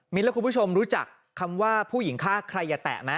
และคุณผู้ชมรู้จักคำว่าผู้หญิงฆ่าใครอย่าแตะไหม